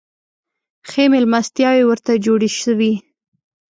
ښې مېلمستیاوي ورته جوړي سوې.